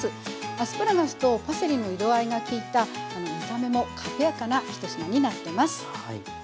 アスパラガスとパセリの色合いがきいた見た目も派手やかな一品になってます。